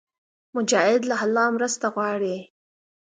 مجاهد له الله مرسته غواړي.